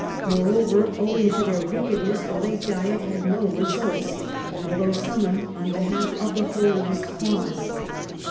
Moreover, owing to their wickedness, the late Diet had no results, although summoned on behalf of the holiest cause.